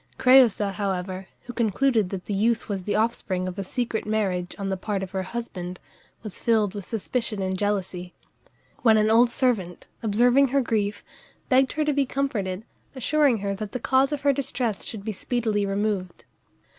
Crëusa, however, who concluded that the youth was the offspring of a secret marriage on the part of her husband, was filled with suspicion and jealousy; when an old servant, observing her grief, begged her to be comforted, assuring her that the cause of her distress should be speedily removed.